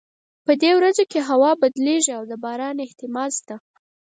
په دې ورځو کې هوا بدلیږي او د باران احتمال شته